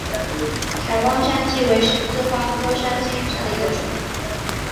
台湾山荠为十字花科山荠属下的一个种。